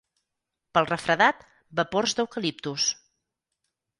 Pel refredat, vapors d'eucaliptus.